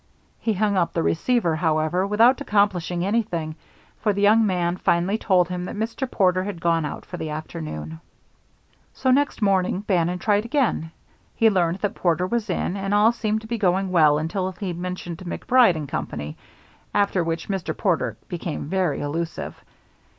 He hung up the receiver, however, without accomplishing anything, for the young man finally told him that Mr. Porter had gone out for the afternoon. So next morning Bannon tried again. He learned that Porter was in, and all seemed to be going well until he mentioned MacBride & Company, after which Mr. Porter became very elusive.